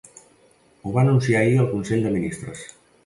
Ho va anunciar ahir el consell de ministres.